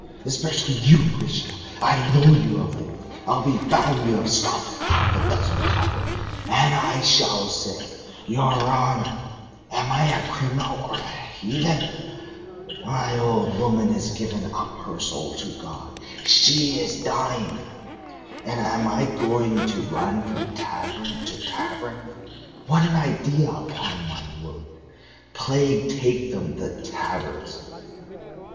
Especially you, Grishka; I know you of old! I'll be bound you have stopped at half a dozen taverns!' And I shall say: 'Your honor! am I a criminal or a heathen? My old woman is giving up her soul to God, she is dying, and am I going to run from tavern to tavern! What an idea, upon my word! Plague take them, the taverns!